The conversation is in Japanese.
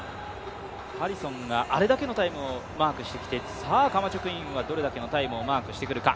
ハリソンがあれだけのタイムをマークしてきて、さあ、カマチョクインはどれだけのタイムをマークしてくるか。